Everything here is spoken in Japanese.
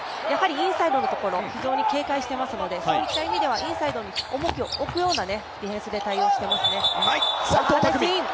インサイドのところ、非常に警戒していますので、そういった意味ではインサイドに重きを置くようなディフェンスで対応してますね。